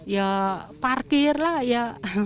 ya parkir lah ya